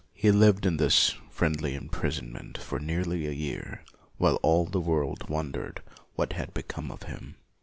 He lived in this friendly imprisonment for nearly a year, while all the world wondered what had become of him.